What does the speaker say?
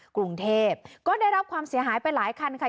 กรุงเทพก็ได้รับความเสียหายไปหลายคันค่ะ